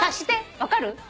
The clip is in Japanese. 分かる？